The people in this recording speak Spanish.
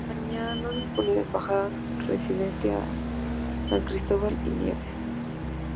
España no dispone de Embajada residente en San Cristóbal y Nieves.